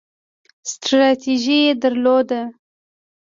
ستراتیژي یې درلوده.